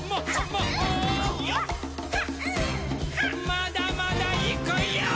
まだまだいくヨー！